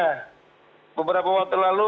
beberapa waktu lalu memang kita sudah kondisi